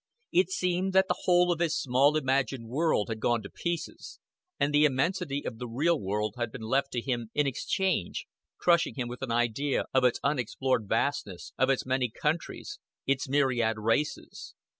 It seemed that the whole of his small imagined world had gone to pieces, and the immensity of the real world had been left to him in exchange crushing him with an idea of its unexplored vastness, of its many countries, its myriad races.